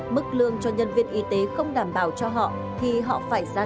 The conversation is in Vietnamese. mức lương cho nhân viên y tế không đảm bảo cho họ thì họ phải ra